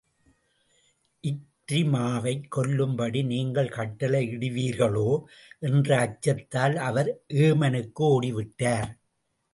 இக்ரிமாவைக் கொல்லும்படி நீங்கள் கட்டளையிடுவீர்களோ என்ற அச்சத்தால், அவர் ஏமனுக்கு ஓடி விட்டார்.